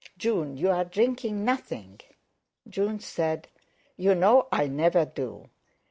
June, you're drinking nothing!" June said: "You know I never do.